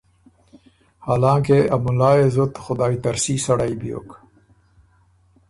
حالانکې ا مُلا يې زُت خدایٛ ترسي سړئ بیوک